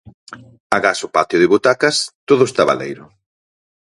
Agás o patio de butacas, todo está baleiro.